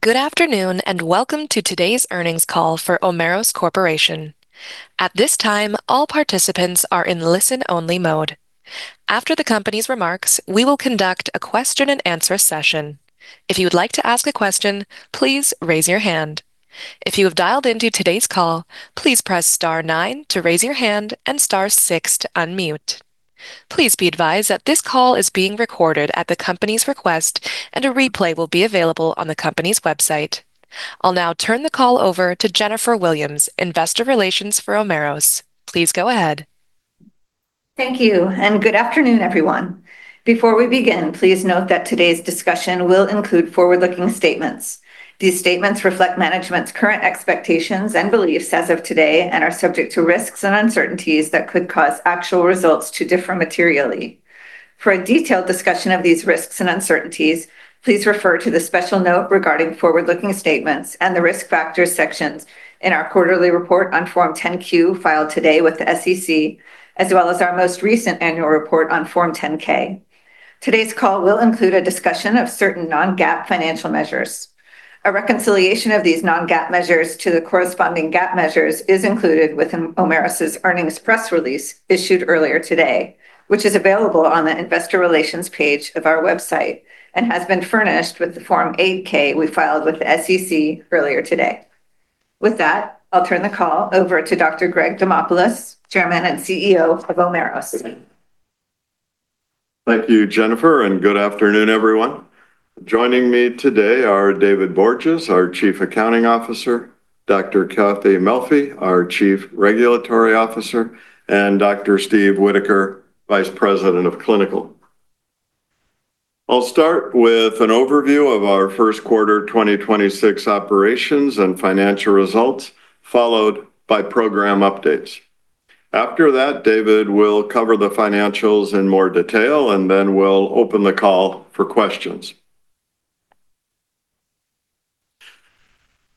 Good afternoon. Welcome to today's earnings call for Omeros Corporation. At this time, all participants are in listen-only mode. After the company's remarks, we will conduct a question and answer session. If you would like to ask a question, please raise your hand. If you have dialed into today's call, please press star nine to raise your hand and star six to unmute. Please be advised that this call is being recorded at the company's request. A replay will be available on the company's website. I'll now turn the call over to Jennifer Williams, investor relations for Omeros. Please go ahead. Thank you, and good afternoon, everyone. Before we begin, please note that today's discussion will include forward-looking statements. These statements reflect management's current expectations and beliefs as of today and are subject to risks and uncertainties that could cause actual results to differ materially. For a detailed discussion of these risks and uncertainties, please refer to the special note regarding forward-looking statements and the risk factors sections in our quarterly report on Form 10-Q filed today with the SEC, as well as our most recent annual report on Form 10-K. Today's call will include a discussion of certain non-GAAP financial measures. A reconciliation of these non-GAAP measures to the corresponding GAAP measures is included within Omeros' earnings press release issued earlier today, which is available on the investor relations page of our website and has been furnished with the Form 8-K we filed with the SEC earlier today. With that, I'll turn the call over to Dr. Gregory Demopulos, Chairman and CEO of Omeros. Thank you, Jennifer, and good afternoon, everyone. Joining me today are David Borges, our Chief Accounting Officer, Dr. Cathy Melfi, our Chief Regulatory Officer, and Dr. Steve Whitaker, Vice President of Clinical. I'll start with an overview of our first quarter 2026 operations and financial results, followed by program updates. After that, David will cover the financials in more detail, and then we'll open the call for questions.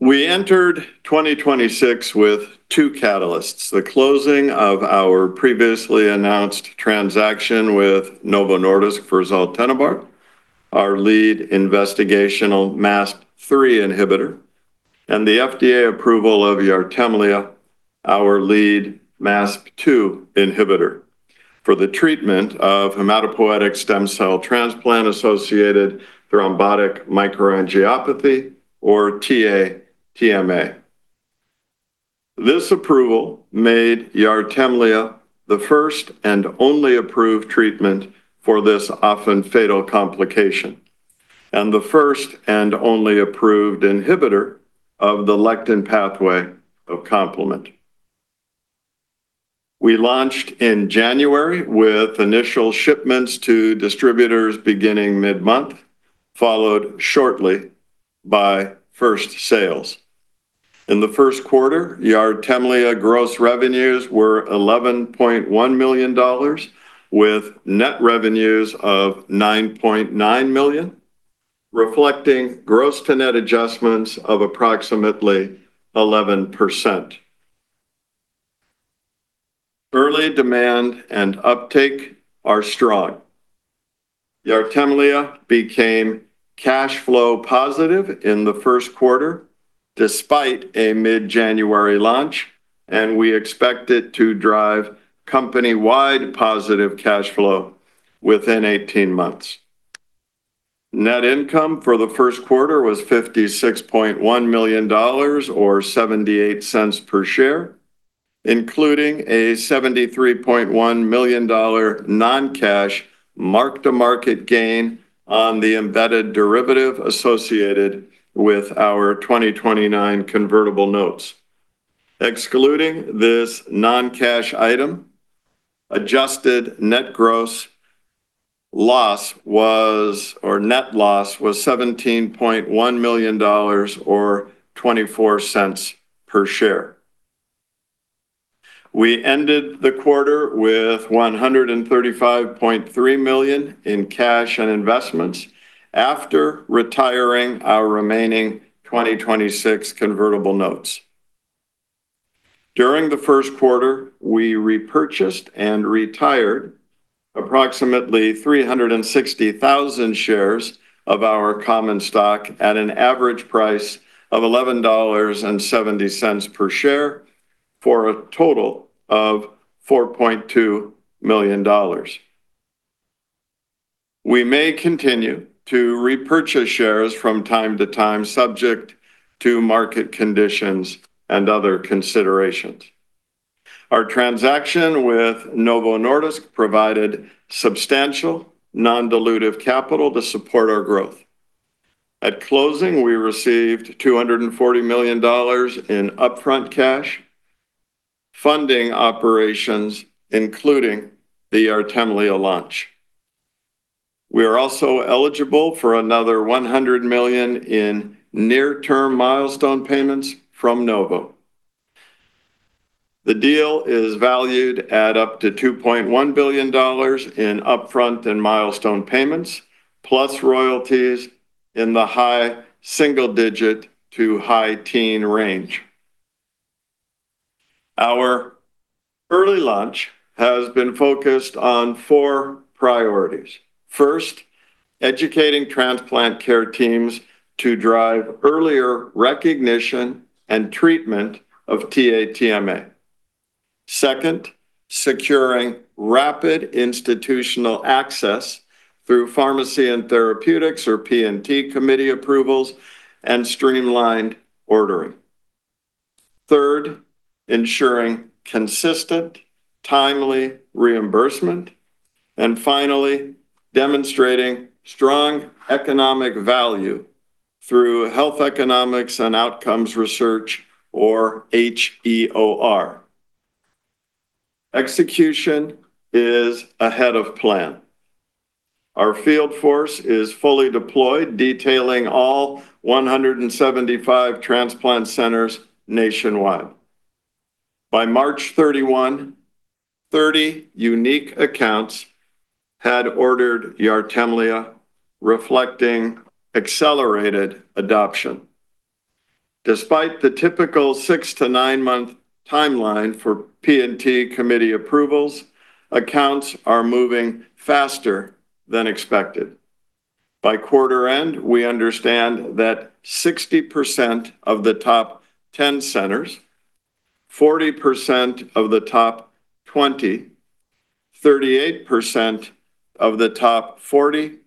We entered 2026 with two catalysts, the closing of our previously announced transaction with Novo Nordisk for zaltenibart, our lead investigational MASP-3 inhibitor, and the FDA approval of YARTEMLEA, our lead MASP-2 inhibitor for the treatment of hematopoietic stem cell transplant-associated thrombotic microangiopathy or TA-TMA. This approval made YARTEMLEA the first and only approved treatment for this often fatal complication and the first and only approved inhibitor of the lectin pathway of complement. We launched in January with initial shipments to distributors beginning mid-month, followed shortly by first sales. In the first quarter, YARTEMLEA gross revenues were $11.1 million, with net revenues of $9.9 million, reflecting gross to net adjustments of approximately 11%. Early demand and uptake are strong. YARTEMLEA became cash flow positive in the first quarter despite a mid-January launch, and we expect it to drive company-wide positive cash flow within 18 months. Net income for the first quarter was $56.1 million or $0.78 per share, including a $73.1 million non-cash mark-to-market gain on the embedded derivative associated with our 2029 convertible notes. Excluding this non-cash item, adjusted net loss was $17.1 million or $0.24 per share. We ended the quarter with $135.3 million in cash and investments after retiring our remaining 2026 convertible notes. During the first quarter, we repurchased and retired approximately 360,000 shares of our common stock at an average price of $11.70 per share for a total of $4.2 million. We may continue to repurchase shares from time to time, subject to market conditions and other considerations. Our transaction with Novo Nordisk provided substantial non-dilutive capital to support our growth. At closing, we received $240 million in upfront cash, funding operations, including the YARTEMLEA launch. We are also eligible for another $100 million in near-term milestone payments from Novo. The deal is valued at up to $2.1 billion in upfront and milestone payments, plus royalties in the high single-digit to high-teen range. Our early launch has been focused on four priorities. First, educating transplant care teams to drive earlier recognition and treatment of TA-TMA. Second, securing rapid institutional access through Pharmacy and Therapeutics or P&T committee approvals and streamlined ordering. Third, ensuring consistent, timely reimbursement. Finally, demonstrating strong economic value through health economics and outcomes research or HEOR. Execution is ahead of plan. Our field force is fully deployed, detailing all 175 transplant centers nationwide. By March 31, 30 unique accounts had ordered YARTEMLEA, reflecting accelerated adoption. Despite the typical 6-9 month timeline for P&T committee approvals, accounts are moving faster than expected. By quarter end, we understand that 60% of the top 10 centers, 40% of the top 20, 38% of the top 40,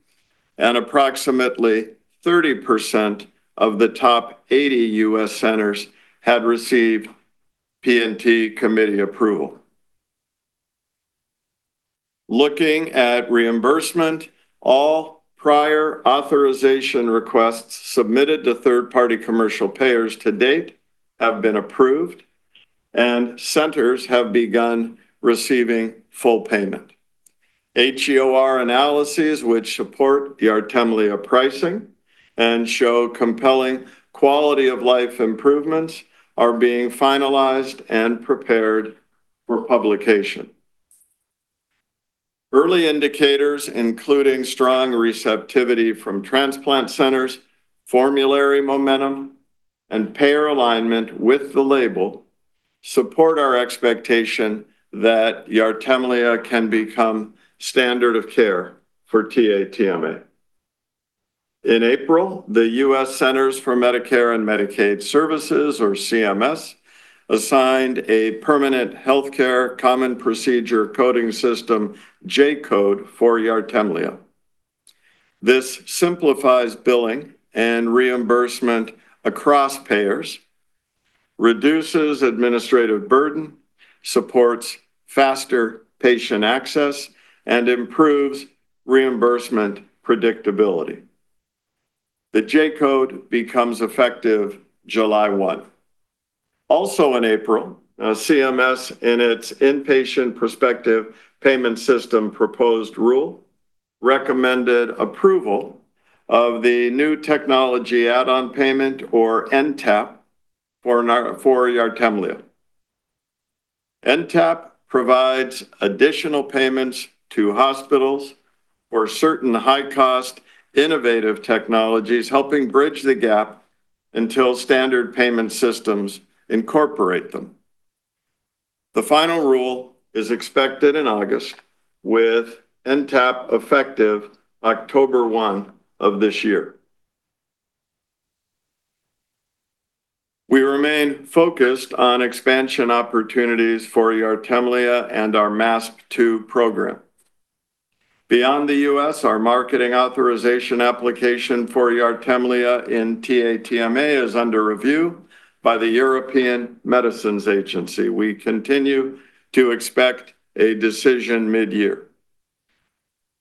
and approximately 30% of the top 80 U.S. centers had received P&T committee approval. Looking at reimbursement, all prior authorization requests submitted to third-party commercial payers to date have been approved. Centers have begun receiving full payment. HEOR analyses which support YARTEMLEA pricing and show compelling quality-of-life improvements are being finalized and prepared for publication. Early indicators, including strong receptivity from transplant centers, formulary momentum, and payer alignment with the label, support our expectation that YARTEMLEA can become standard of care for TA-TMA. In April, the U.S. Centers for Medicare & Medicaid Services, or CMS, assigned a permanent Healthcare Common Procedure Coding System J-code for YARTEMLEA. This simplifies billing and reimbursement across payers, reduces administrative burden, supports faster patient access, and improves reimbursement predictability. The J-code becomes effective July 1. In April, CMS, in its inpatient prospective payment system proposed rule, recommended approval of the New Technology Add-on Payment or NTAP for YARTEMLEA. NTAP provides additional payments to hospitals for certain high-cost innovative technologies, helping bridge the gap until standard payment systems incorporate them. The final rule is expected in August, with NTAP effective October 1 of this year. We remain focused on expansion opportunities for YARTEMLEA and our MASP-2 program. Beyond the U.S., our marketing authorization application for YARTEMLEA in TA-TMA is under review by the European Medicines Agency. We continue to expect a decision mid-year.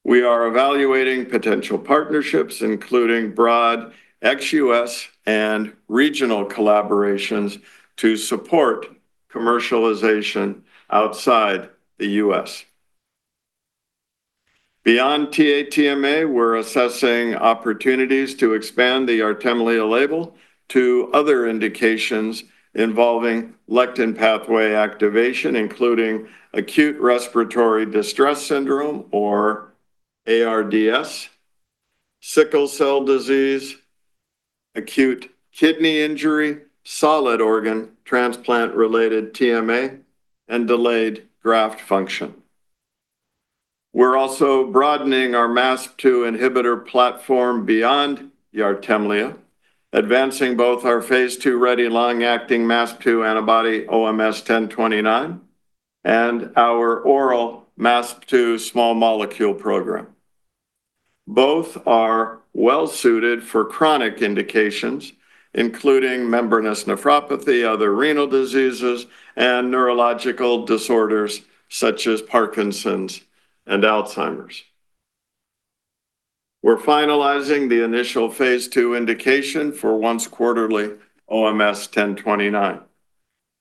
We are evaluating potential partnerships, including broad ex-U.S. and regional collaborations to support commercialization outside the U.S. Beyond TA-TMA, we're assessing opportunities to expand the YARTEMLEA label to other indications involving lectin pathway activation, including acute respiratory distress syndrome or ARDS, sickle cell disease, acute kidney injury, solid organ transplant-related TMA, and delayed graft function. We're also broadening our MASP-2 inhibitor platform beyond YARTEMLEA, advancing both our phase II-ready long-acting MASP-2 antibody OMS1029 and our oral MASP-2 small molecule program. Both are well-suited for chronic indications, including membranous nephropathy, other renal diseases, and neurological disorders such as Parkinson's and Alzheimer's. We're finalizing the initial phase II indication for once quarterly OMS1029.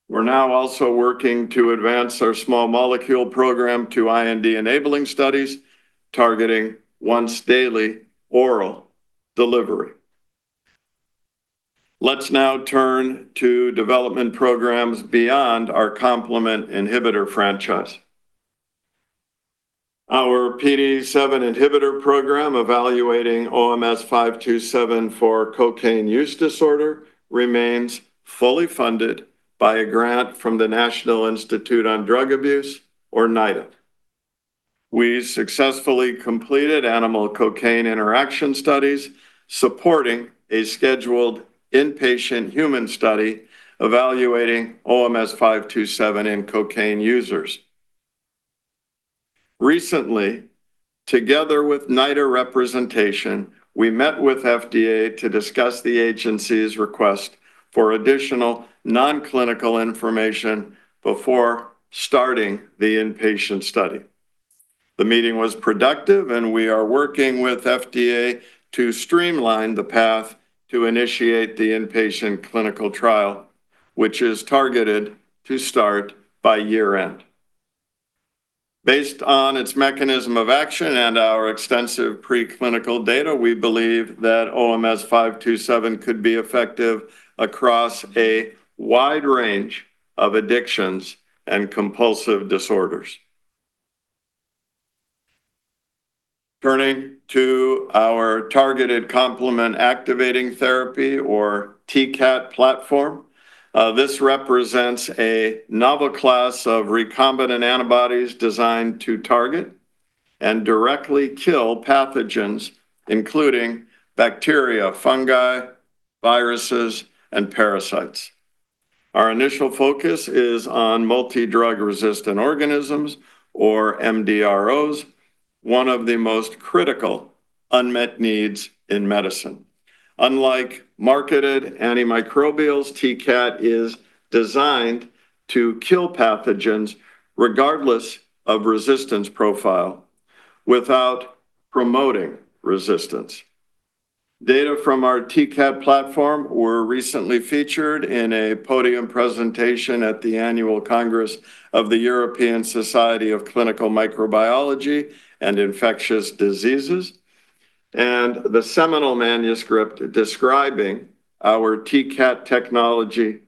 We're now also working to advance our small molecule program to IND-enabling studies targeting once-daily oral delivery. Let's now turn to development programs beyond our complement inhibitor franchise. Our PDE7 inhibitor program evaluating OMS527 for cocaine use disorder remains fully funded by a grant from the National Institute on Drug Abuse or NIDA. We successfully completed animal cocaine interaction studies supporting a scheduled inpatient human study evaluating OMS527 in cocaine users. Recently, together with NIDA representation, we met with FDA to discuss the agency's request for additional non-clinical information before starting the inpatient study. The meeting was productive. We are working with FDA to streamline the path to initiate the inpatient clinical trial, which is targeted to start by year-end. Based on its mechanism of action and our extensive preclinical data, we believe that OMS527 could be effective across a wide range of addictions and compulsive disorders. Turning to our targeted complement activating therapy or TCAT platform, this represents a novel class of recombinant antibodies designed to target and directly kill pathogens, including bacteria, fungi, viruses, and parasites. Our initial focus is on multi-drug resistant organisms or MDROs, one of the most critical unmet needs in medicine. Unlike marketed antimicrobials, TCAT is designed to kill pathogens regardless of resistance profile without promoting resistance. Data from our TCAT platform were recently featured in a podium presentation at the annual Congress of the European Society of Clinical Microbiology and Infectious Diseases, and the seminal manuscript describing our TCAT technology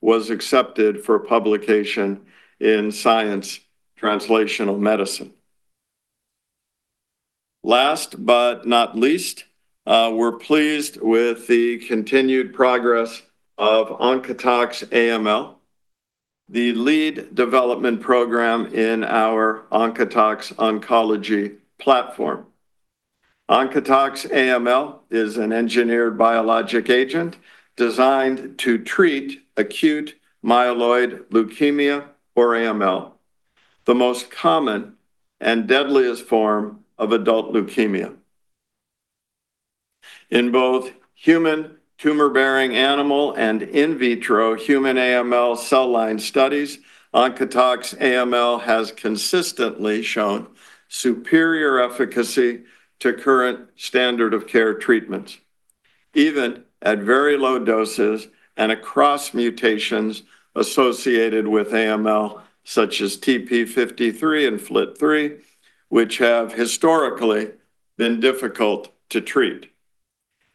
was accepted for publication in Science Translational Medicine. Last but not least, we're pleased with the continued progress of OncotoX-AML, the lead development program in our OncotoX oncology platform. OncotoX-AML is an engineered biologic agent designed to treat acute myeloid leukemia or AML, the most common and deadliest form of adult leukemia. In both human tumor-bearing animal and in vitro human AML cell line studies, OncotoX-AML has consistently shown superior efficacy to current standard of care treatments, even at very low doses and across mutations associated with AML, such as TP53 and FLT3, which have historically been difficult to treat.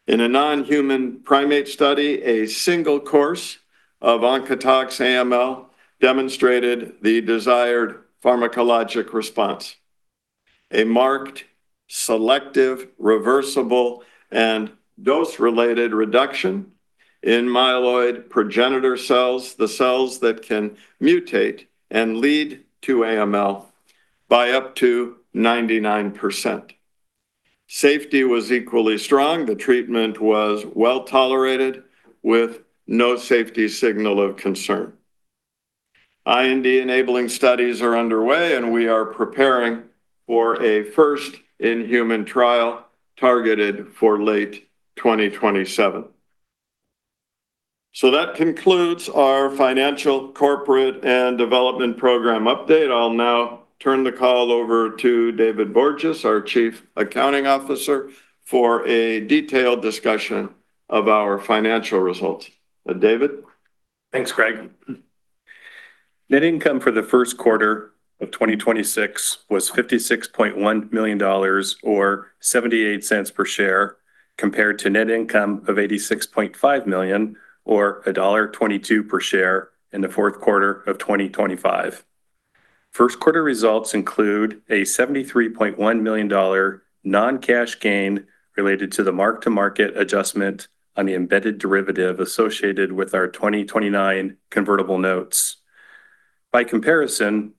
In a non-human primate study, a single course of OncotoX-AML demonstrated the desired pharmacologic response, a marked selective reversible and dose-related reduction in myeloid progenitor cells, the cells that can mutate and lead to AML by up to 99%. Safety was equally strong. The treatment was well-tolerated with no safety signal of concern. IND enabling studies are underway, and we are preparing for a first in-human trial targeted for late 2027. That concludes our financial, corporate, and development program update. I'll now turn the call over to David Borges, our Chief Accounting Officer, for a detailed discussion of our financial results. David? Thanks, Greg. Net income for the first quarter of 2026 was $56.1 million or $0.78 per share compared to net income of $86.5 million or $1.22 per share in the fourth quarter of 2025. First quarter results include a $73.1 million non-cash gain related to the mark-to-market adjustment on the embedded derivative associated with our 2029 convertible notes. By comparison,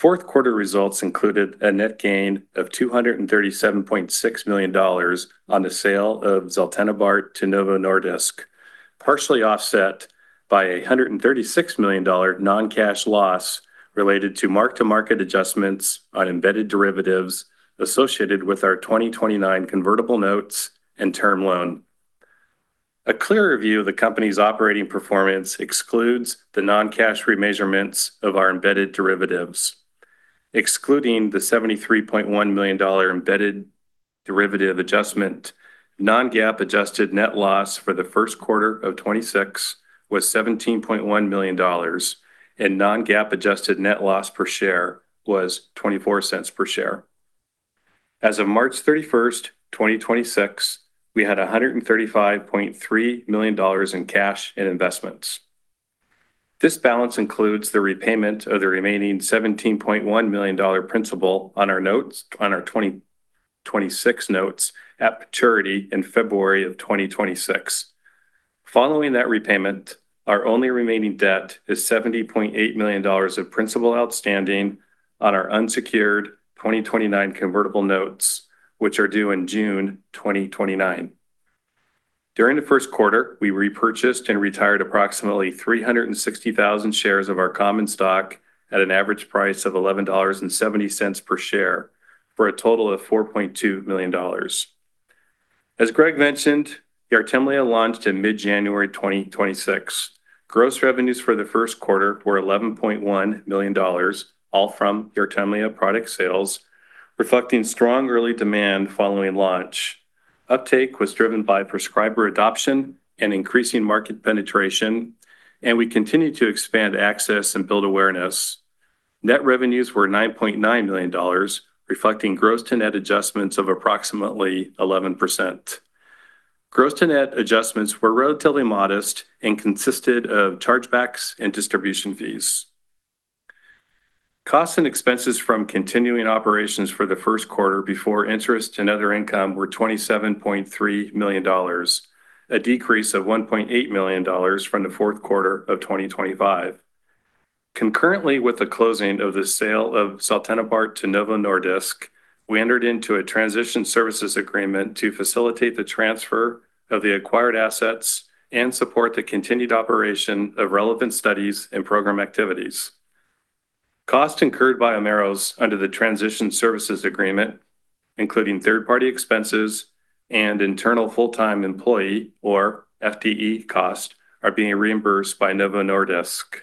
fourth quarter results included a net gain of $237.6 million on the sale of zaltenibart to Novo Nordisk, partially offset by a $136 million non-cash loss related to mark-to-market adjustments on embedded derivatives associated with our 2029 convertible notes and term loan. A clearer view of the company's operating performance excludes the non-cash remeasurements of our embedded derivatives. Excluding the $73.1 million embedded derivative adjustment, non-GAAP adjusted net loss for the first quarter of 2026 was $17.1 million, and non-GAAP adjusted net loss per share was $0.24 per share. As of March 31st, 2026, we had $135.3 million in cash and investments. This balance includes the repayment of the remaining $17.1 million principal on our notes, on our 2026 notes at maturity in February of 2026. Following that repayment, our only remaining debt is $70.8 million of principal outstanding on our unsecured 2029 convertible notes, which are due in June 2029. During the first quarter, we repurchased and retired approximately 360,000 shares of our common stock at an average price of $11.70 per share for a total of $4.2 million. As Greg mentioned, YARTEMLEA launched in mid-January 2026. Gross revenues for the first quarter were $11.1 million, all from YARTEMLEA product sales, reflecting strong early demand following launch. Uptake was driven by prescriber adoption and increasing market penetration, and we continued to expand access and build awareness. Net revenues were $9.9 million, reflecting gross to net adjustments of approximately 11%. Gross to net adjustments were relatively modest and consisted of chargebacks and distribution fees. Costs and expenses from continuing operations for the first quarter before interest and other income were $27.3 million, a decrease of $1.8 million from the fourth quarter of 2025. Concurrently with the closing of the sale of zaltenibart to Novo Nordisk, we entered into a transition services agreement to facilitate the transfer of the acquired assets and support the continued operation of relevant studies and program activities. Costs incurred by Omeros under the transition services agreement, including third-party expenses and internal FTE cost, are being reimbursed by Novo Nordisk.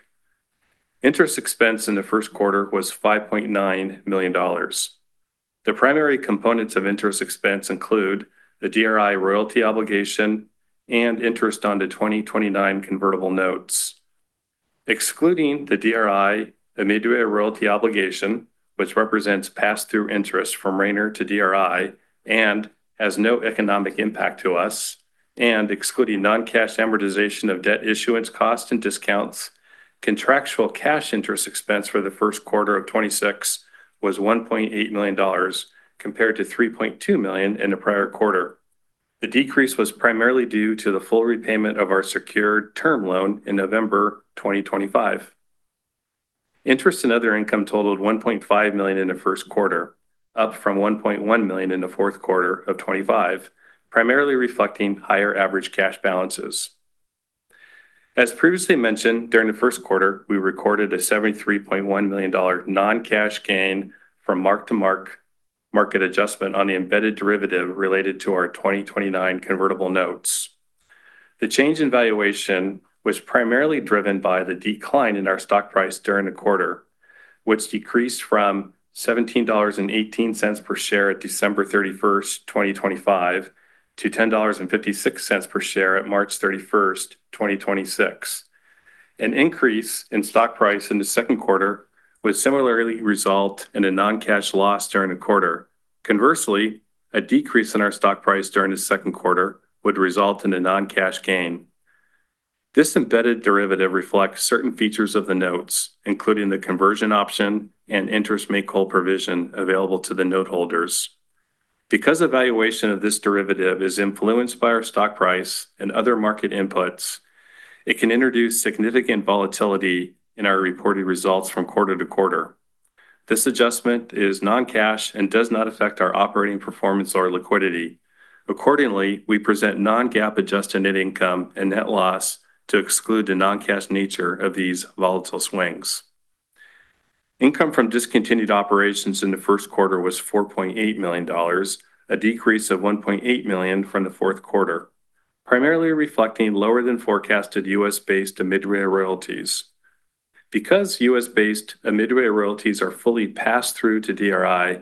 Interest expense in the first quarter was $5.9 million. The primary components of interest expense include the DRI royalty obligation and interest on the 2029 convertible notes. Excluding the DRI, the OMIDRIA royalty obligation, which represents pass-through interest from Rayner to DRI and has no economic impact to us, and excluding non-cash amortization of debt issuance costs and discounts, contractual cash interest expense for the first quarter of 2026 was $1.8 million compared to $3.2 million in the prior quarter. The decrease was primarily due to the full repayment of our secured term loan in November 2025. Interest and other income totaled $1.5 million in the first quarter, up from $1.1 million in the fourth quarter of 2025, primarily reflecting higher average cash balances. As previously mentioned, during the first quarter, we recorded a $73.1 million non-cash gain from mark-to-market adjustment on the embedded derivative related to our 2029 convertible notes. The change in valuation was primarily driven by the decline in our stock price during the quarter, which decreased from $17.18 per share at December 31, 2025 to $10.56 per share at March 31, 2026. An increase in stock price in the second quarter would similarly result in a non-cash loss during the quarter. Conversely, a decrease in our stock price during the second quarter would result in a non-cash gain. This embedded derivative reflects certain features of the notes, including the conversion option and interest make-whole provision available to the note holders. Because evaluation of this derivative is influenced by our stock price and other market inputs, it can introduce significant volatility in our reported results from quarter to quarter. This adjustment is non-cash and does not affect our operating performance or liquidity. We present non-GAAP adjusted net income and net loss to exclude the non-cash nature of these volatile swings. Income from discontinued operations in the first quarter was $4.8 million, a decrease of $1.8 million from the fourth quarter, primarily reflecting lower than forecasted U.S.-based OMIDRIA royalties. Because U.S.-based OMIDRIA royalties are fully passed through to DRI,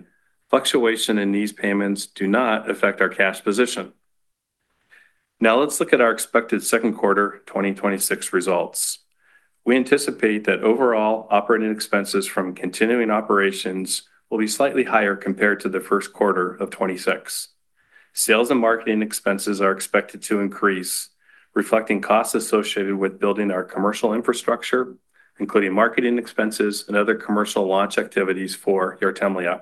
fluctuation in these payments do not affect our cash position. Let's look at our expected second quarter 2026 results. We anticipate that overall operating expenses from continuing operations will be slightly higher compared to the first quarter of 2026. Sales and marketing expenses are expected to increase, reflecting costs associated with building our commercial infrastructure, including marketing expenses and other commercial launch activities for YARTEMLEA.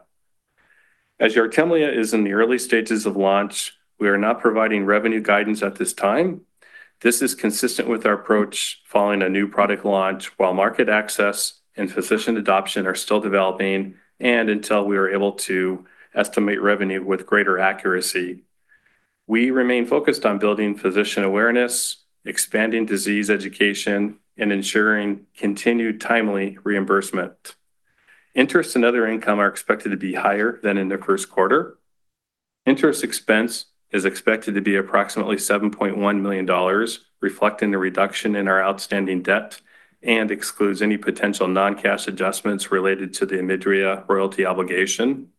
YARTEMLEA is in the early stages of launch, we are not providing revenue guidance at this time. This is consistent with our approach following a new product launch while market access and physician adoption are still developing and until we are able to estimate revenue with greater accuracy. We remain focused on building physician awareness, expanding disease education, and ensuring continued timely reimbursement. Interest and other income are expected to be higher than in the first quarter. Interest expense is expected to be approximately $7.1 million, reflecting the reduction in our outstanding debt and excludes any potential non-cash adjustments related to the OMIDRIA royalty obligation.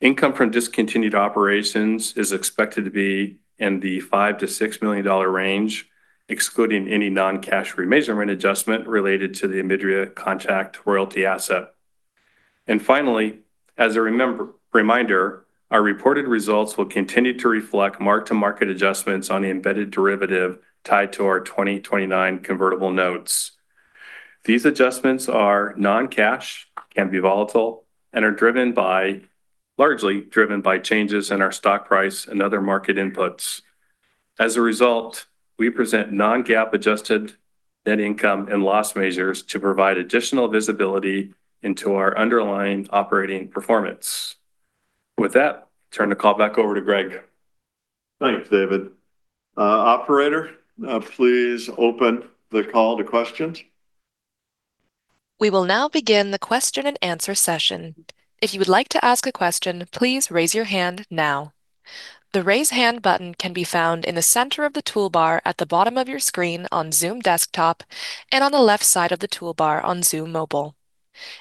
Income from discontinued operations is expected to be in the $5 million-$6 million range, excluding any non-cash remeasurement adjustment related to the OMIDRIA contract royalty asset. Finally, as a reminder, our reported results will continue to reflect mark-to-market adjustments on the embedded derivative tied to our 2029 convertible notes. These adjustments are non-cash, can be volatile, and are largely driven by changes in our stock price and other market inputs. As a result, we present non-GAAP adjusted net income and loss measures to provide additional visibility into our underlying operating performance. With that, turn the call back over to Greg. Thanks, David. Operator, please open the call to questions. We will now begin the question and answer session. If you would like to ask a question, please raise your hand now. The raise hand button can be found in the center of the toolbar at the buttom of your screen on Zoom desktop and on the left side of the toolbar on Zoom mobile.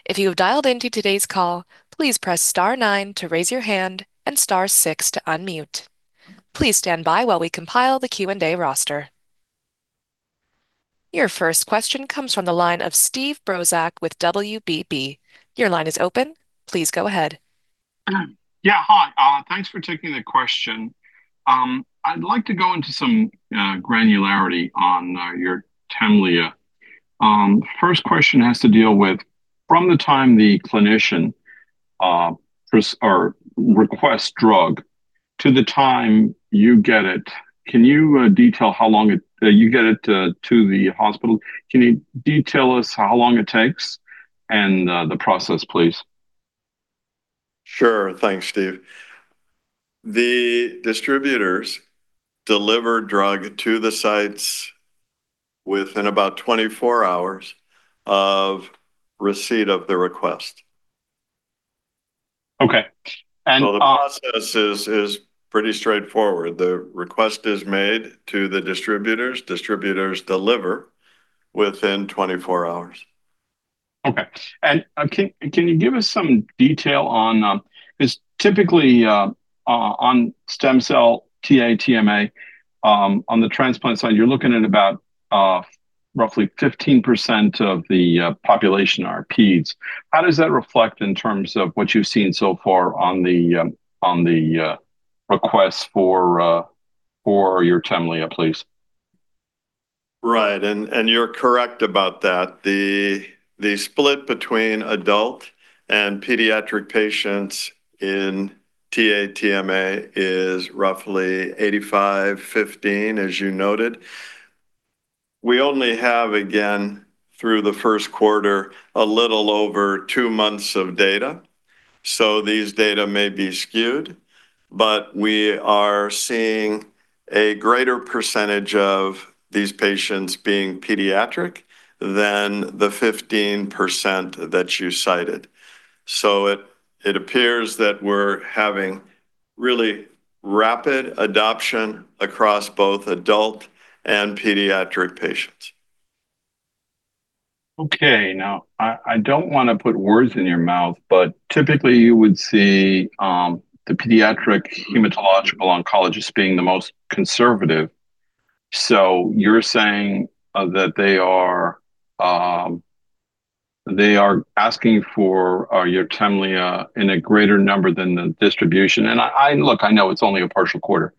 If you have dialed into today's call please press star nine to raise your hand and star six to unmute. Please stand by while we compile the Q&A roster. Your first question comes from the line of Steve Brozak with WBB. Your line is open. Please go ahead. Yeah. Hi. Thanks for taking the question. I'd like to go into some granularity on YARTEMLEA. First question has to deal with from the time the clinician requests drug to the time you get it, can you detail how long you get it to the hospital? Can you detail us how long it takes and the process, please? Sure. Thanks, Steve. The distributors deliver drug to the sites within about 24 hours of receipt of the request. Okay. The process is pretty straightforward. The request is made to the distributors. Distributors deliver within 24 hours. Okay. Can you give us some detail on, 'cause typically, on stem cell TA-TMA, on the transplant side, you're looking at about roughly 15% of the population are peds How does that reflect in terms of what you've seen so far on the requests for your YARTEMLEA, please? Right. You're correct about that. The split between adult and pediatric patients in TA-TMA is roughly 85, 15, as you noted. We only have, again, through the first quarter, a little over two months of data, these data may be skewed. We are seeing a greater percentage of these patients being pediatric than the 15% that you cited. It appears that we're having really rapid adoption across both adult and pediatric patients. Okay. Now, I don't wanna put words in your mouth, but typically you would see the pediatric hematological oncologist being the most conservative. You're saying that they are asking for YARTEMLEA in a greater number than the distribution. I Look, I know it's only a partial quarter,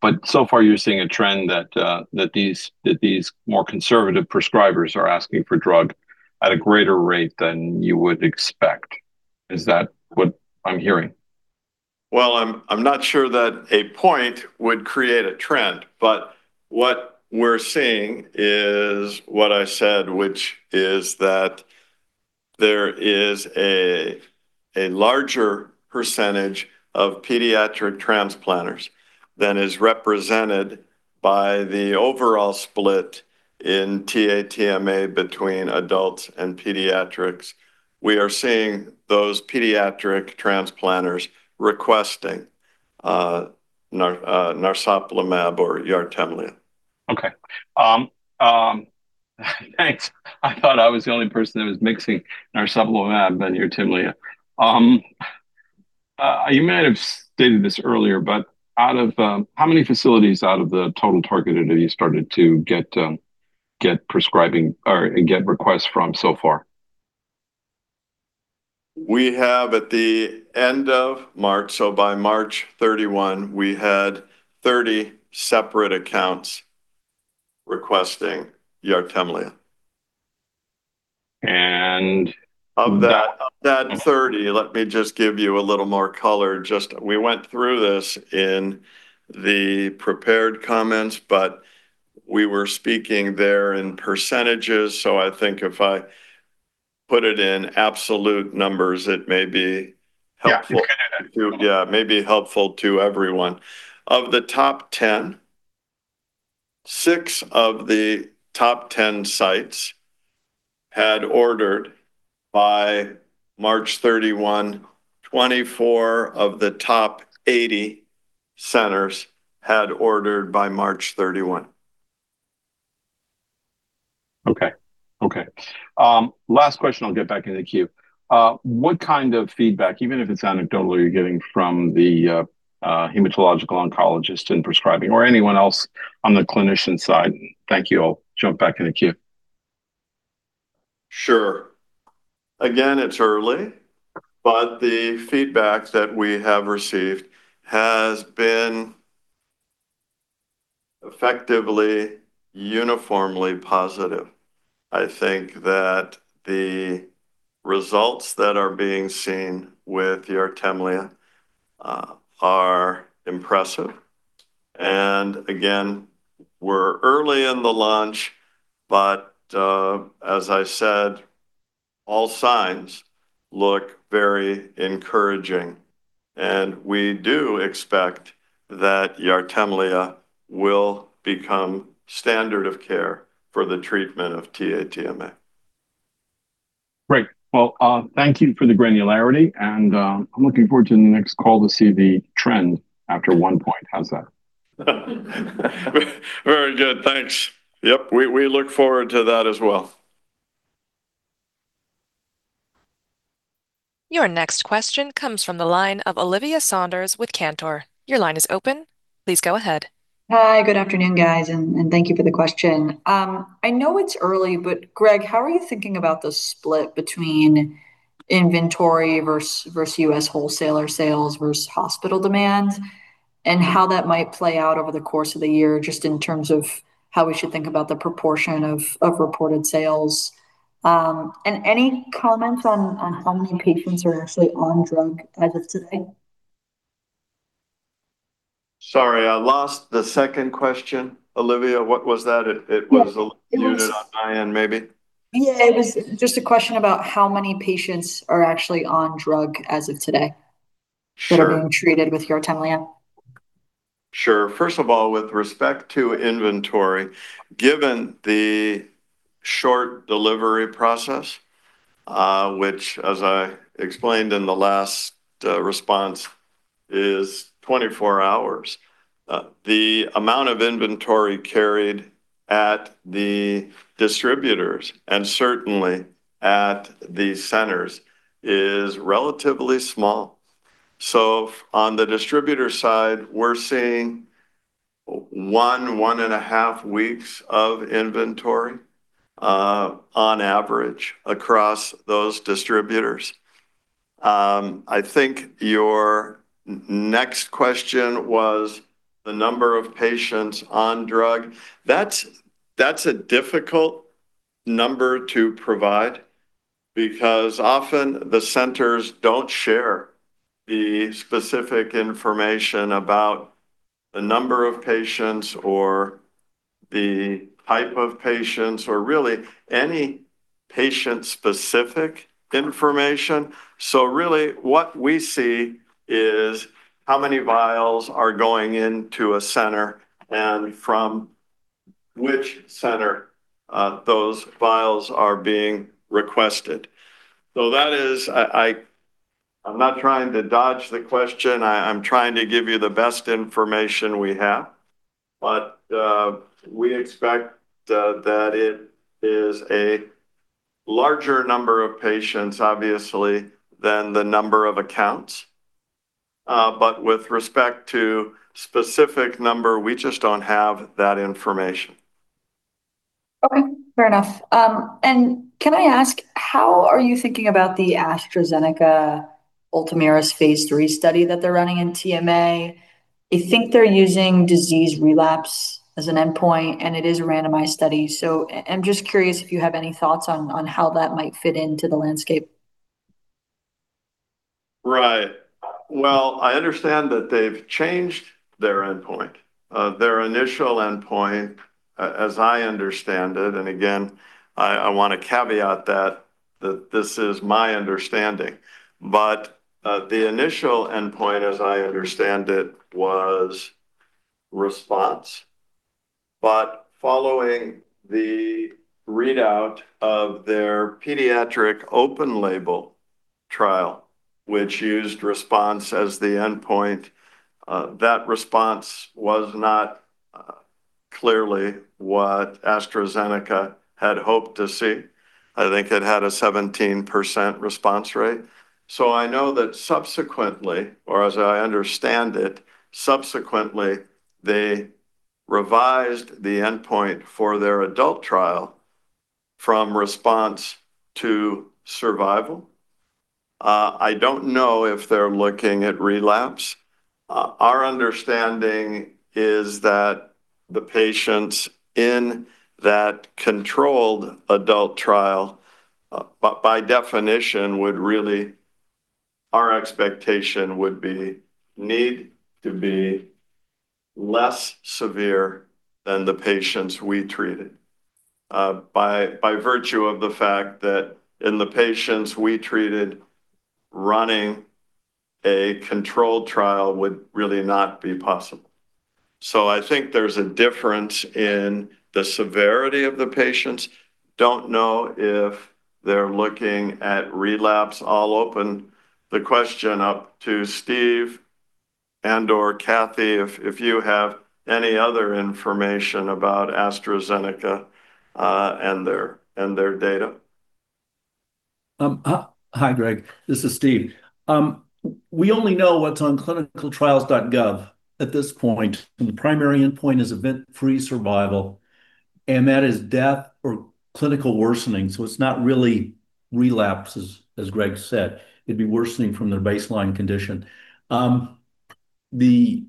but so far you're seeing a trend that these more conservative prescribers are asking for drug at a greater rate than you would expect. Is that what I'm hearing? Well, I'm not sure that a point would create a trend, but what we're seeing is what I said, which is that there is a larger percentage of pediatric transplanters than is represented by the overall split in TA-TMA between adults and pediatrics. We are seeing those pediatric transplanters requesting narsoplimab or YARTEMLEA. Okay. Thanks. I thought I was the only person that was mixing narsoplimab and YARTEMLEA. You might have stated this earlier, out of how many facilities out of the total targeted have you started to get prescribing or get requests from so far? We have at the end of March, so by March 31, we had 30 separate accounts requesting YARTEMLEA. And- Of that 30, let me just give you a little more color. Just we went through this in the prepared comments, but we were speaking there in %. I think if I put it in absolute numbers, it may be helpful. Yeah. You can do that May be helpful to everyone. Of the top 10, 6 of the top 10 sites had ordered by March 31. 24 of the top 80 centers had ordered by March 31. Okay. Okay. Last question, I'll get back in the queue. What kind of feedback, even if it's anecdotal, are you getting from the hematological oncologist in prescribing or anyone else on the clinician side? Thank you. I'll jump back in the queue. Sure. It's early, but the feedback that we have received has been effectively uniformly positive. I think that the results that are being seen with YARTEMLEA are impressive. Again, we're early in the launch, but as I said, all signs look very encouraging. We do expect that YARTEMLEA will become standard of care for the treatment of TA-TMA. Great. Well, thank you for the granularity, and I'm looking forward to the next call to see the trend after 1 point. How's that? Very good. Thanks. Yep, we look forward to that as well. Your next question comes from the line of Olivia Brayer with Cantor. Your line is open. Please go ahead. Hi, good afternoon, guys, and thank you for the question. I know it's early, Greg, how are you thinking about the split between inventory versus U.S. wholesaler sales versus hospital demand, and how that might play out over the course of the year, just in terms of how we should think about the proportion of reported sales? Any comments on how many patients are actually on drug as of today? Sorry, I lost the second question. Olivia, what was that? Yes. You were on mute, maybe. Yeah. It was just a question about how many patients are actually on drug as of today? Sure. that are being treated with YARTEMLEA. Sure. First of all, with respect to inventory, given the short delivery process, which as I explained in the last response is 24 hours, the amount of inventory carried at the distributors and certainly at the centers is relatively small. On the distributor side, we're seeing one and a half weeks of inventory on average across those distributors. I think your next question was the number of patients on drug. That's a difficult number to provide because often the centers don't share the specific information about the number of patients or the type of patients or really any patient-specific information. Really what we see is how many vials are going into a center and from which center those vials are being requested. That is I'm not trying to dodge the question. I'm trying to give you the best information we have. We expect that it is a larger number of patients, obviously, than the number of accounts. With respect to specific number, we just don't have that information. Okay. Fair enough. Can I ask, how are you thinking about the AstraZeneca Ultomiris phase III study that they're running in TMA? I think they're using disease relapse as an endpoint, and it is a randomized study. I'm just curious if you have any thoughts on how that might fit into the landscape? Right. Well, I understand that they've changed their endpoint. Their initial endpoint, as I understand it, and again, I wanna caveat that this is my understanding. The initial endpoint, as I understand it, was response. Following the readout of their pediatric open label trial, which used response as the endpoint, that response was not clearly what AstraZeneca had hoped to see. I think it had a 17% response rate. I know that subsequently, or as I understand it, subsequently, they revised the endpoint for their adult trial from response to survival. I don't know if they're looking at relapse. Our understanding is that the patients in that controlled adult trial, by definition, would really need to be less severe than the patients we treated, by virtue of the fact that in the patients we treated, running a controlled trial would really not be possible. I think there's a difference in the severity of the patients. Don't know if they're looking at relapse. I'll open the question up to Steve and/or Cathy if you have any other information about AstraZeneca and their data. Hi, Greg. This is Steve. We only know what's on ClinicalTrials.gov at this point. The primary endpoint is event-free survival. That is death or clinical worsening. It's not really relapse, as Greg said. It'd be worsening from their baseline condition. They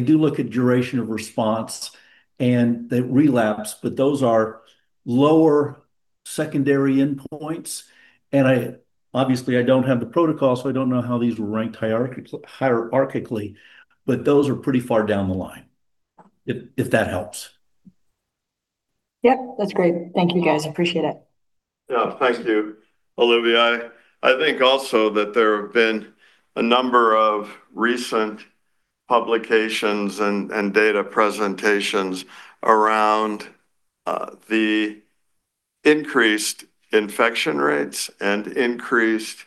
do look at duration of response and the relapse. Those are lower secondary endpoints. Obviously, I don't have the protocol, so I don't know how these were ranked hierarchically. Those are pretty far down the line, if that helps. Yep, that's great. Thank you, guys. Appreciate it. Yeah, thank you, Olivia. I think also that there have been a number of recent publications and data presentations around the increased infection rates and increased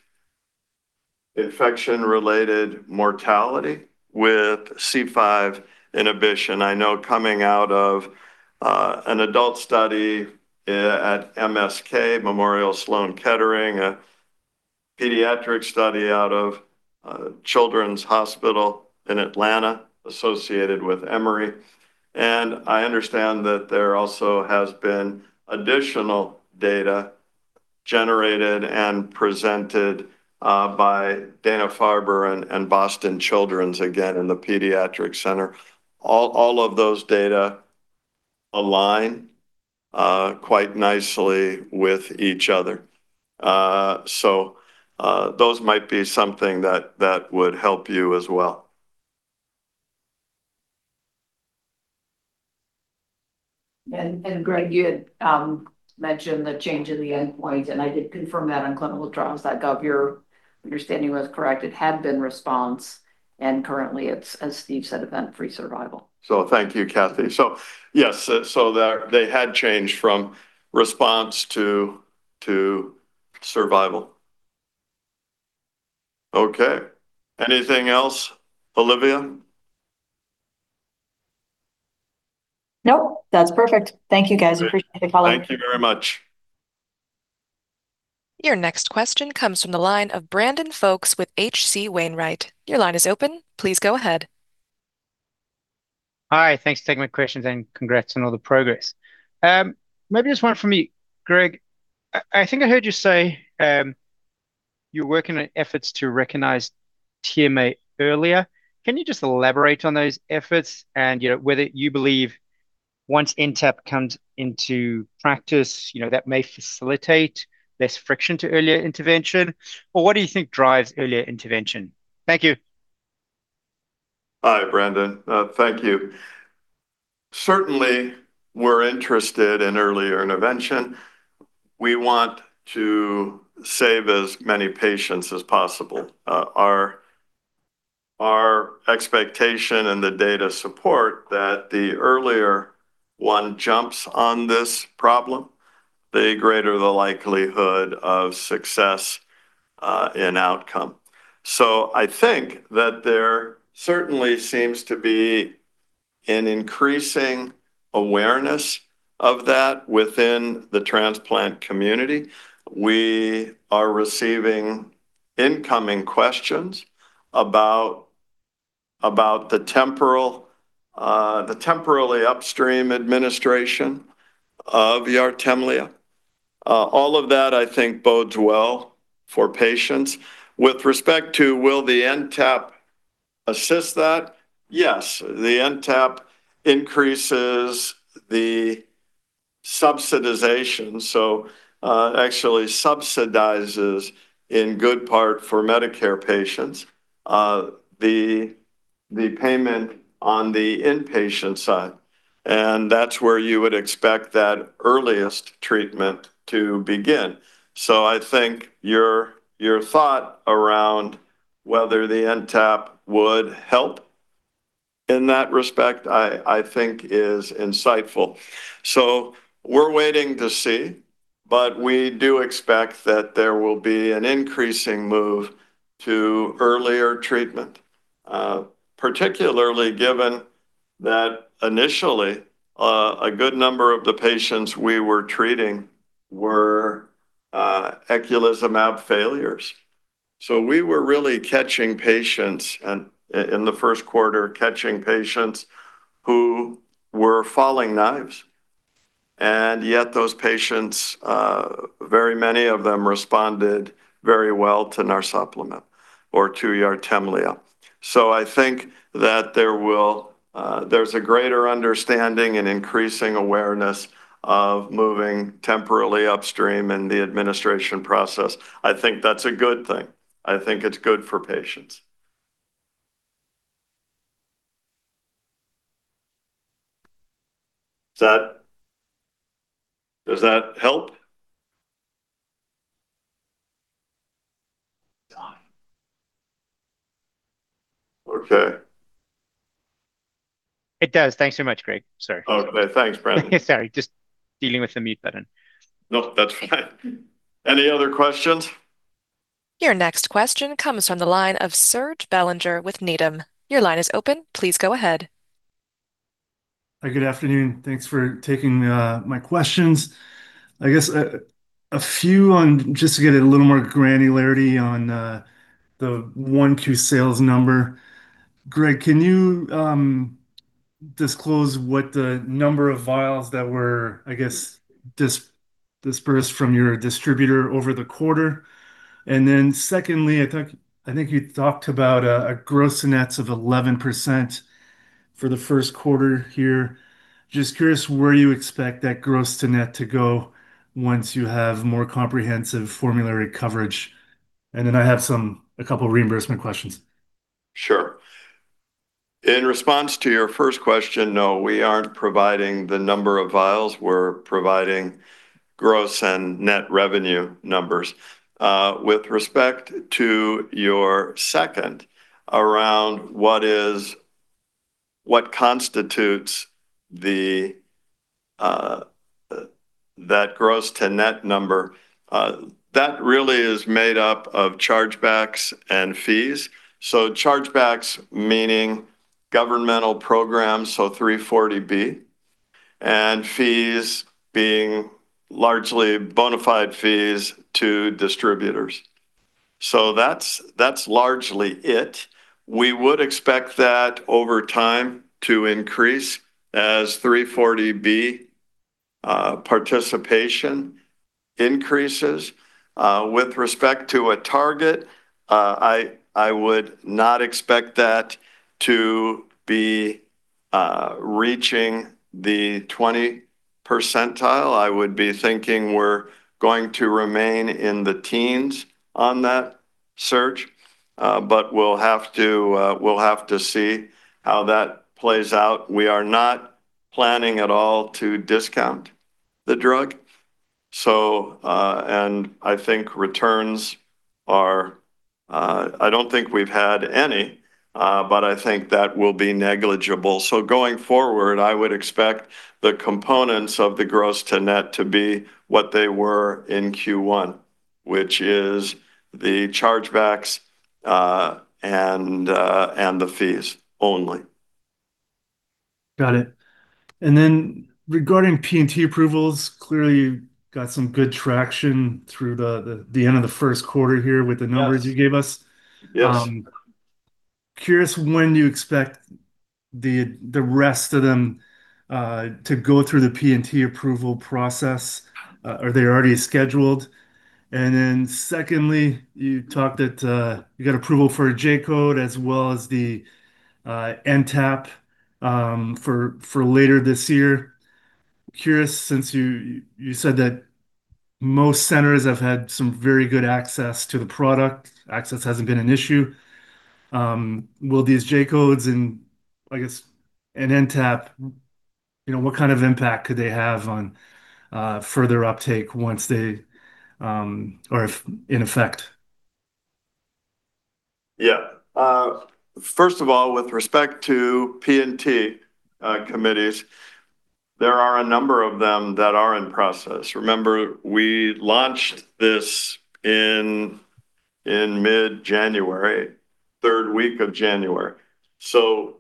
infection-related mortality with C5 inhibition. I know coming out of an adult study at MSK, Memorial Sloan Kettering, a pediatric study out of Children's Healthcare of Atlanta associated with Emory, and I understand that there also has been additional data generated and presented by Dana-Farber and Boston Children's again in the pediatric center. All of those data align quite nicely with each other. Those might be something that would help you as well. Greg, you had mentioned the change in the endpoint, and I did confirm that on ClinicalTrials.gov. Your understanding was correct. It had been response, and currently it's, as Steve said, event-free survival. Thank you, Cathy. Yes, there they had changed from response to survival. Okay. Anything else, Olivia? Nope. That's perfect. Thank you, guys. Great. Appreciate the follow-up. Thank you very much. Your next question comes from the line of Brandon Folkes with H.C. Wainwright. Your line is open. Please go ahead. Hi. Thanks for taking my questions, and congrats on all the progress. Maybe just one for me, Greg. I think I heard you say, you're working on efforts to recognize TMA earlier. Can you just elaborate on those efforts and, you know, whether you believe once NTAP comes into practice, you know, that may facilitate less friction to earlier intervention, or what do you think drives earlier intervention? Thank you. Hi, Brandon. Thank you. Certainly, we're interested in earlier intervention. We want to save as many patients as possible. Our expectation and the data support that the earlier one jumps on this problem, the greater the likelihood of success in outcome. I think that there certainly seems to be an increasing awareness of that within the transplant community. We are receiving incoming questions about the temporal, the temporally upstream administration of YARTEMLEA. All of that I think bodes well for patients. With respect to will the NTAP assist that, yes. The NTAP increases the subsidization, actually subsidizes in good part for Medicare patients, the payment on the inpatient side, and that's where you would expect that earliest treatment to begin. I think your thought around whether the NTAP would help in that respect I think is insightful. We're waiting to see, but we do expect that there will be an increasing move to earlier treatment, particularly given that initially, a good number of the patients we were treating were eculizumab failures. We were really catching patients and in the first quarter, catching patients who were falling knives, and yet those patients, very many of them responded very well to narsoplimab or to YARTEMLEA. I think that there will, there's a greater understanding and increasing awareness of moving temporally upstream in the administration process. I think that's a good thing. I think it's good for patients. Does that help? Okay. It does. Thanks so much, Greg. Sorry. Oh, thanks, Brandon. Sorry, just dealing with the mute button. No, that's fine. Any other questions? Your next question comes from the line of Serge Belanger with Needham. Your line is open. Please go ahead. Hi, good afternoon. Thanks for taking my questions. I guess a few on just to get a little more granularity on the 1Q sales number. Greg, can you disclose what the number of vials that were, I guess, dispersed from your distributor over the quarter? Secondly, I think you talked about a gross nets of 11% for the first quarter here. Just curious where you expect that gross to net to go once you have more comprehensive formulary coverage. I have some a couple reimbursement questions. Sure. In response to your first question, no, we aren't providing the number of vials. We're providing gross and net revenue numbers. With respect to your second around what constitutes the that gross to net number, that really is made up of chargebacks and fees. Chargebacks, meaning governmental programs, so 340B, and fees being largely bonafide fees to distributors. That's largely it. We would expect that over time to increase as 340B participation increases. With respect to a target, I would not expect that to be reaching the 20 percentile. I would be thinking we're going to remain in the teens on that Serge, but we'll have to see how that plays out. We are not planning at all to discount the drug. And I think returns are, I don't think we've had any, but I think that will be negligible. Going forward, I would expect the components of the gross to net to be what they were in Q1, which is the chargebacks, and the fees only. Got it. Regarding P&T approvals, clearly, you got some good traction through the end of the first quarter here with the numbers. Yes. you gave us. Yes. Curious, when do you expect the rest of them to go through the P&T approval process? Are they already scheduled? Secondly, you talked that you got approval for a J-code as well as the NTAP for later this year. Curious, since you said that most centers have had some very good access to the product, access hasn't been an issue. Will these J-codes and, I guess, and NTAP, you know, what kind of impact could they have on further uptake once they are in effect? First of all, with respect to P&T committees, there are a number of them that are in process. Remember, we launched this in mid-January, third week of January.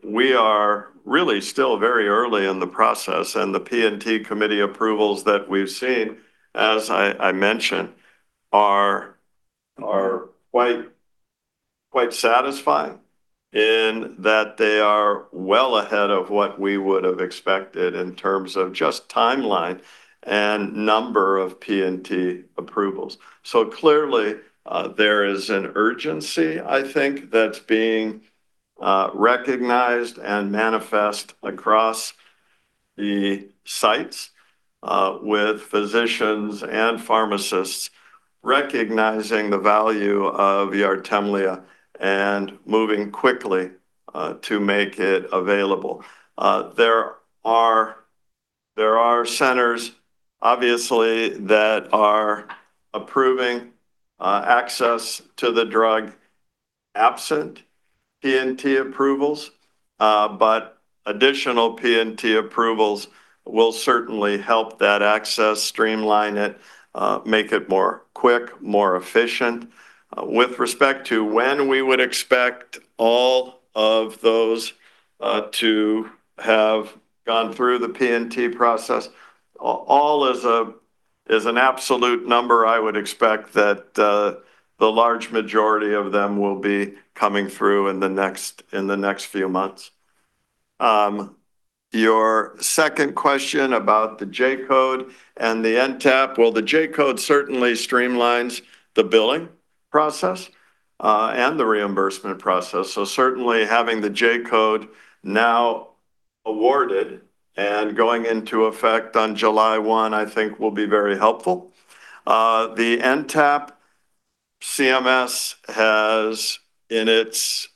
We are really still very early in the process, and the P&T committee approvals that we've seen, as I mentioned, are quite satisfying in that they are well ahead of what we would have expected in terms of just timeline and number of P&T approvals. Clearly, there is an urgency, I think, that's being recognized and manifest across the sites, with physicians and pharmacists recognizing the value of YARTEMLEA and moving quickly to make it available. There are centers, obviously, that are approving access to the drug absent P&T approvals, additional P&T approvals will certainly help that access, streamline it, make it more quick, more efficient. With respect to when we would expect all of those to have gone through the P&T process. All is a, is an absolute number. I would expect that the large majority of them will be coming through in the next few months. Your second question about the J-code and the NTAP. The J-code certainly streamlines the billing process and the reimbursement process. Certainly having the J-code now awarded and going into effect on July one, I think will be very helpful. The NTAP CMS has, in its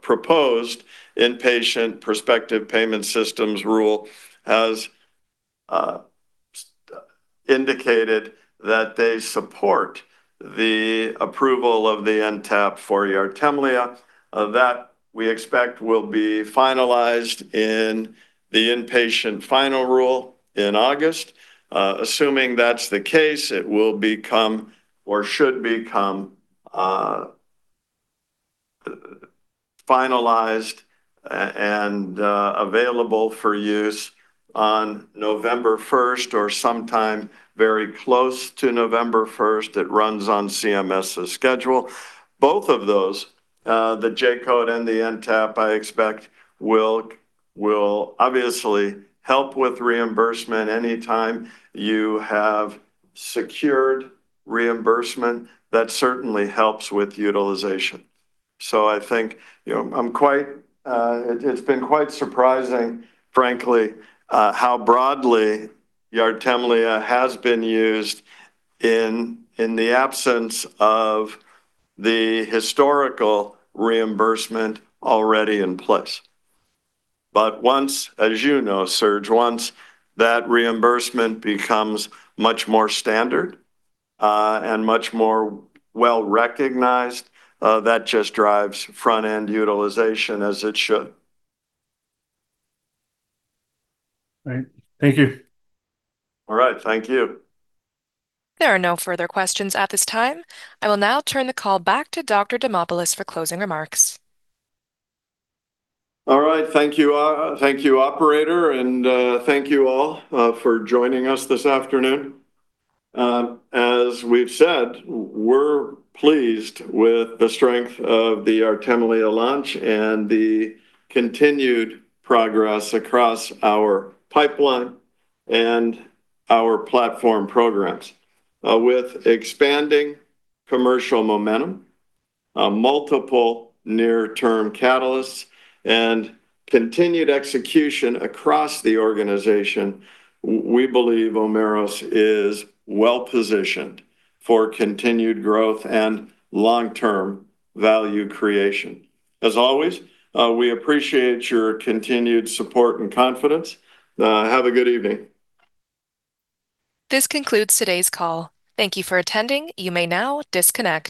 proposed inpatient prospective payment systems rule, has indicated that they support the approval of the NTAP for YARTEMLEA. That we expect will be finalized in the inpatient final rule in August. Assuming that's the case, it will become or should become finalized and available for use on November 1st, or sometime very close to November 1st. It runs on CMS's schedule. Both of those, the J-code and the NTAP, I expect will obviously help with reimbursement. Any time you have secured reimbursement, that certainly helps with utilization. I think, you know, It's been quite surprising, frankly, how broadly YARTEMLEA has been used in the absence of the historical reimbursement already in place. Once, as you know, Serge, once that reimbursement becomes much more standard, and much more well-recognized, that just drives front-end utilization as it should. Right. Thank you. All right. Thank you. There are no further questions at this time. I will now turn the call back to Dr. Demopulos for closing remarks. All right. Thank you, thank you, operator, and thank you all for joining us this afternoon. As we've said, we're pleased with the strength of the YARTEMLEA launch and the continued progress across our pipeline and our platform programs. With expanding commercial momentum, multiple near-term catalysts, and continued execution across the organization, we believe Omeros is well-positioned for continued growth and long-term value creation. As always, we appreciate your continued support and confidence. Have a good evening. This concludes today's call. Thank you for attending. You may now disconnect.